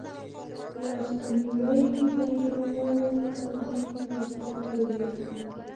لاسنيوی به يې نور کاندي که فقير وي